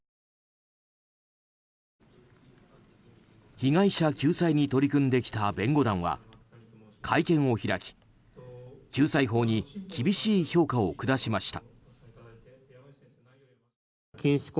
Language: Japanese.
被害者救済に取り組んできた弁護団は、会見を開き救済法に厳しい評価を下しました。